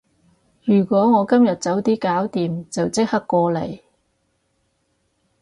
如果我今日早啲搞掂，就即刻過嚟